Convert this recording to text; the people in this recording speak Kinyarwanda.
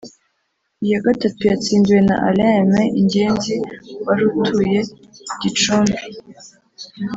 Iya gatatu yatsindiwe na Alain Aime Ingenzi wari atuye I Gicumbi